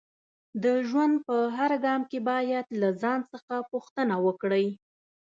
د ژوند په هر ګام کې باید له ځان څخه پوښتنه وکړئ